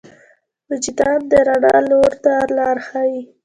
وجدان د رڼا لور ته لار ښيي.